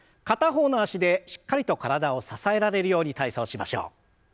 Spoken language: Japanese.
片方の脚でしっかりと体を支えられるように体操しましょう。